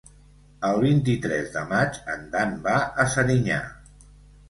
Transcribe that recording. El vint-i-tres de maig en Dan va a Serinyà.